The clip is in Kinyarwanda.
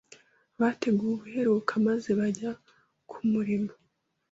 bateguwe ubuheruka maze bajya ku murimo